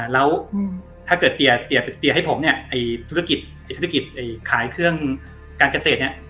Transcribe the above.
แล้วถ้าเกิดเตี๋ยให้ผมเนี่ยธุรกิจขายเครื่องการเกษตรเนี่ย